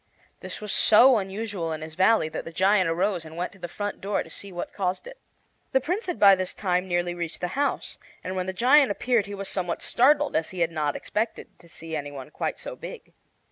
This was so unusual in his valley that the giant arose and went to the front door to see what caused it. The Prince had by this time nearly reached the house, and when the giant appeared he was somewhat startled, as he had not expected to see any one quite so big.